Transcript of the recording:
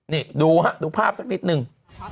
นี่ดูฮะดูภาพสักนิดนึง